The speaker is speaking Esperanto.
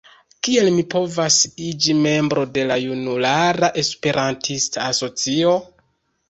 Kiel mi povas iĝi membro de la junulara Esperantista asocio?